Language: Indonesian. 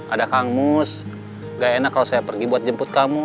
ada kangmus gak enak kalau saya pergi buat jemput kamu